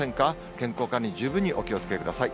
健康管理、十分にお気をつけください。